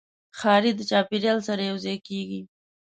ښکاري د چاپېریال سره یوځای کېږي.